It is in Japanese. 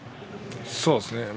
そうですね。